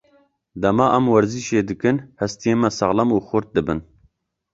Dema em werzîşê dikin, hestiyên me saxlem û xurt dibin.